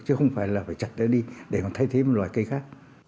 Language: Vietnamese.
chứ không phải là phải chặt nó đi để còn thay thế một loại cây khác